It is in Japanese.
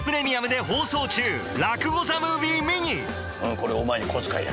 「これお前に小遣いやる。